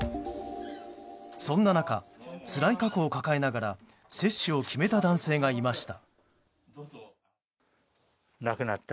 そんな中つらい過去を抱えながら接種を決めた男性がいました。